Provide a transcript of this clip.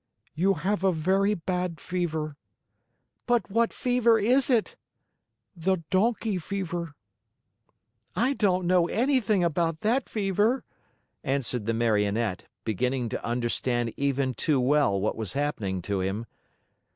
"You have a very bad fever." "But what fever is it?" "The donkey fever." "I don't know anything about that fever," answered the Marionette, beginning to understand even too well what was happening to him.